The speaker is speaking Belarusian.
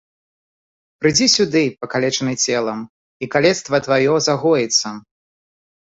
Прыйдзі сюды, пакалечаны целам, і калецтва тваё загоіцца!